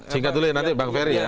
singkat dulu ya nanti bang ferry ya